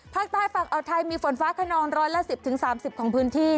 ภาคใต้ฝั่งอาวไทยมีฝนฟ้าขนองร้อยละ๑๐๓๐ของพื้นที่